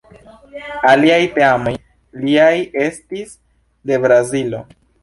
Aliaj teamoj liaj estis de Brazilo.